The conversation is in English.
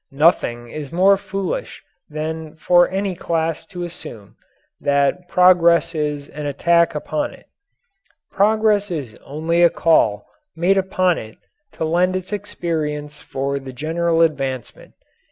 Nothing is more foolish than for any class to assume that progress is an attack upon it. Progress is only a call made upon it to lend its experience for the general advancement.